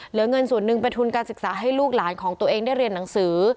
เหลือเงินส่วนหนึ่งเป็นทุนการศึกษาให้ลูกหลานของตัวเองได้เรียนหนังสือ